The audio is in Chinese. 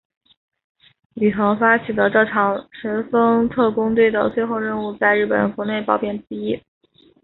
宇垣发起的这场神风特攻队的最后任务在日本国内褒贬不一。